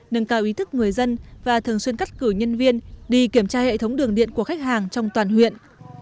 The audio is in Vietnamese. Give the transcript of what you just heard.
nâng cao ý thức người dân và thường xuyên cắt cử nhân viên đi kiểm tra hệ thống đường điện của khách hàng trong toàn huyện